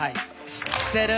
知ってる？